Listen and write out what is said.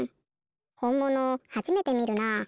ほんものはじめてみるなあ。